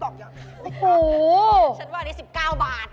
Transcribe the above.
พี่เดี๋ยวพึ่งตอบอย่างนี้